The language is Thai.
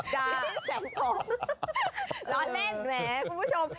แสนสองร้อนเล่นไหมคุณผู้ชม